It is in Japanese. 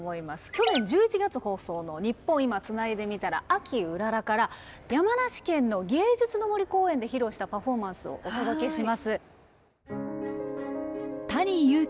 去年１１月放送の「ニッポン『今』つないでみたら秋うらら」から山梨県の芸術の森公園で披露したパフォーマンスをお届けします。